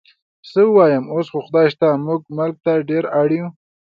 څه ووایم، اوس خو خدای شته موږ ملک ته ډېر اړ یو.